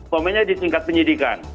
pertama nya di tingkat penyidikan